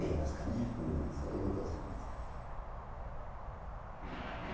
そういう動作なんですよ。